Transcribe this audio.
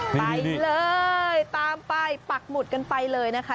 ไปเลยตามไปปักหมุดกันไปเลยนะคะ